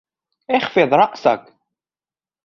اخفض رأسك!